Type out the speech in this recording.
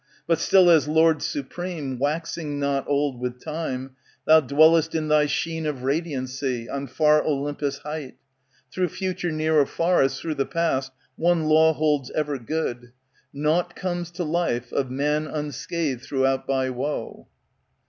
But still as Lord supreme, Waxing not old with time, Thou dwellest in Thy sheen of radiancy On far Olympos' height. ^^"^ Through future near or far as through the past. One law holds ever good, Nought comes to life of man unscathed throughout by woe.